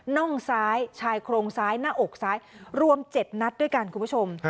น่องซ้ายชายโครงซ้ายหน้าอกซ้ายรวม๗นัดด้วยกันคุณผู้ชม